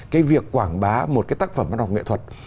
cái việc quảng bá một cái tác phẩm văn học nghệ thuật